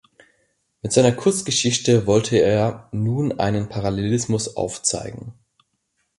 Mit seiner Kurzgeschichte wollte er nun einen Parallelismus aufzeigen.